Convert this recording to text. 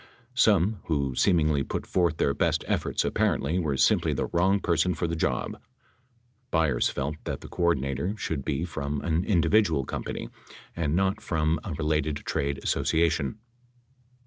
Some who seemingly put forth their best efforts apparently were simply the wrong person for the job. Byers felt that the coor dinator should be from an individual company and not from a re lated trade association.